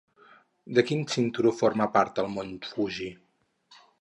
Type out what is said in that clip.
De quin cinturó forma part el mont Fuji?